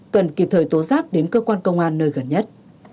cần kịp thời tố giác đến cơ quan công an nơi gần nhất